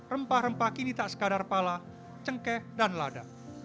rempah rempah kini tak sekadar pala cengkeh dan lada